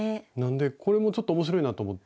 これもちょっと面白いなと思って。